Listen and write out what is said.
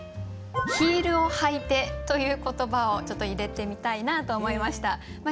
「ヒールをはいて」という言葉をちょっと入れてみたいなと思いました。